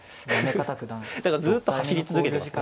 だからずっと走り続けてますね。